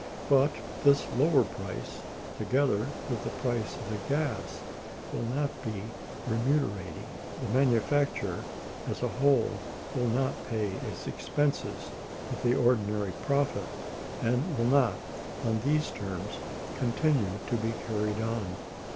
But this lower price, together with the price of the gas, will not be remunerating; the manufacture, as a whole, will not pay its expenses with the ordinary profit, and will not, on these terms, continue to be carried on.